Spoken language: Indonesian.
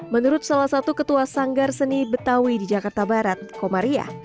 menurut salah satu ketua sanggar seni betawi di jakarta barat komaria